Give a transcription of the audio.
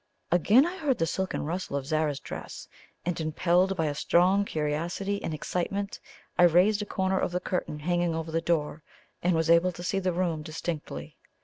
Again I heard the silken rustle of Zara's dress, and, impelled by a strong curiosity and excitement, I raised a corner of the curtain hanging over the door, and was able to see the room distinctly.